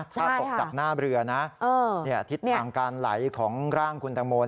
ถ้าตกจากหน้าเรือนะทิศทางการไหลของร่างคุณตังโม